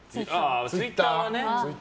ツイッターはね。